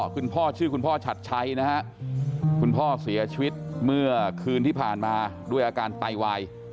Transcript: คุณพ่อชื่อคุณพ่อฉัดชัยนะฮะคุณพ่อเสียชีวิตเมื่อคืนที่ผ่านมาด้วยอาการไตวาย